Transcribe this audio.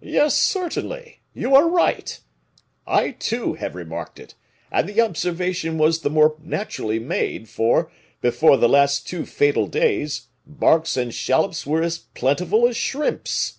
"Yes, certainly! you are right. I, too, have remarked it, and the observation was the more naturally made, for, before the last two fatal days, barks and shallops were as plentiful as shrimps."